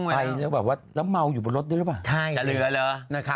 แม้งั้นก็บุ้งอยู่แล้วนะครับใช่แต่เหลือเหรอแม้เธอ